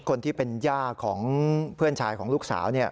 คนที่เป็นย่าของเพื่อนชายของลูกสาว